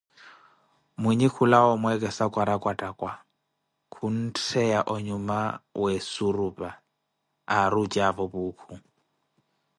Minyi khulawa omweekesa kwarakwattakwa, khunttheya onyuma wa esurupa aari ocaawo Puukhu.